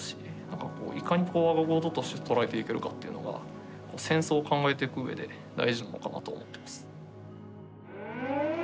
なんかこういかに我が事として捉えていけるかというのが戦争を考えていくうえで大事なのかなと思ってます。